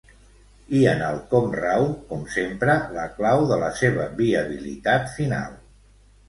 I en el com rau, com sempre, la clau de la seva viabilitat final.